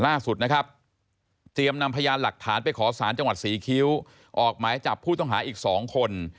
ล่าสุดนะครับเตรียมนำพยานหลักฐานไปขอสารจังหวัดศรีคิ้วออกหมายจับผู้ต้องหาอีก๒คน